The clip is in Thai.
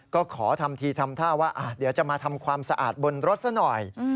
ก็ขอทำทีทำท่าว่าเดี๋ยวจะมาทำความสะอาดบนรถซะหน่อย